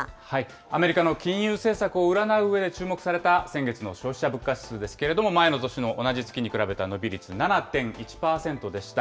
アメリカの金融政策を占ううえで注目された先月の消費者物価指数ですけれども、前の年の同じ月に比べた伸び率７．１％でした。